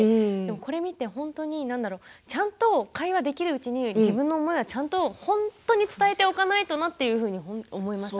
これを見て本当にちゃんと会話できるうちに自分の思いはちゃんと本当に伝えておかないとなというふうに思いました。